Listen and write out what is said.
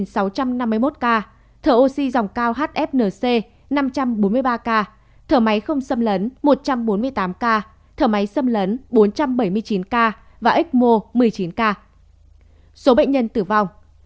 số bệnh nhân tử vong